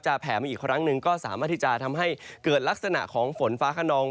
แผ่มาอีกครั้งหนึ่งก็สามารถที่จะทำให้เกิดลักษณะของฝนฟ้าขนอง